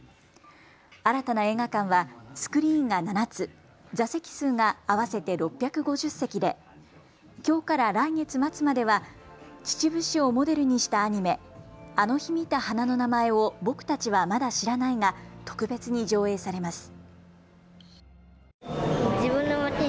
新たな映画館はスクリーンが７つ、座席数が合わせて６５０席できょうから来月末までは秩父市をモデルにしたアニメ、あの日見た花の名前を僕達はまだ知らない。が特別に上映されます。